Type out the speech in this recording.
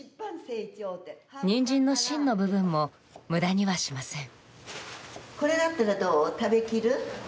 ニンジンの芯の部分も無駄にはしません。